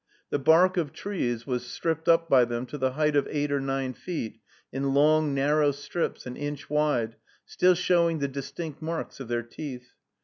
The bark of trees was stripped up by them to the height of eight or nine feet, in long, narrow strips, an inch wide, still showing the distinct marks of their teeth.